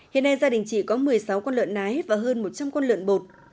hiện nay gia đình chị có một mươi sáu con lợn nái và hơn một trăm linh con lợn bột